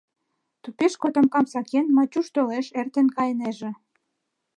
Тупеш котомкам сакен, Мачуш толеш, эртен кайынеже.